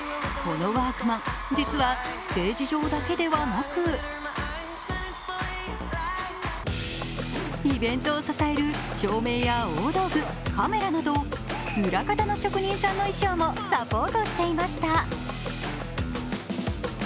このワークマン、実はステージ上だけではなく、イベントを支える照明や大道具、カメラなど裏方の職人さんの衣装もサポートしていました。